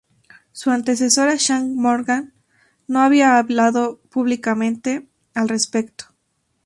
Su antecesora, Shan Morgan, no había hablado públicamente al respecto.